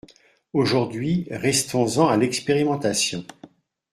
Aujourd’hui, restons-en à l’expérimentation.